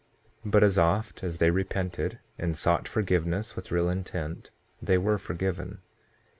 6:8 But as oft as they repented and sought forgiveness, with real intent, they were forgiven.